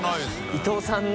伊東さんの。